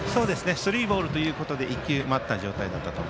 スリーボールということで１球待った状態でした。